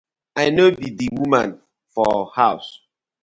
I no bi di woman for haws.